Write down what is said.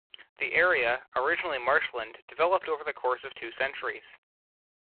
The area, originally marshland, developed over the course of two centuries.